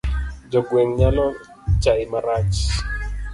Jo gweng' nyalo chai marach.